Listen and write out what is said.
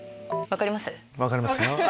分かりますよ。